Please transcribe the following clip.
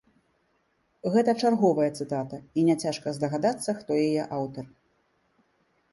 Гэта чарговая цытата, і няцяжка здагадацца, хто яе аўтар.